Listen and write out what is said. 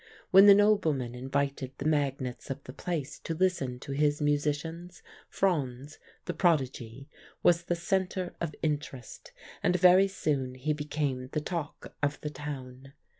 When the nobleman invited the magnates of the place to listen to his musicians, Franz, the prodigy, was the centre of interest, and very soon he became the talk of the town.